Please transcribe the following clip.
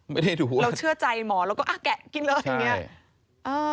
ไม่ได้ถูกหูเราเชื่อใจหมอเราก็แกะกินเลยอย่างนี้